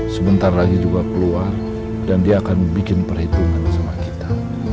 sebentar lagi juga keluar dan dia akan bikin perhitungan sama kita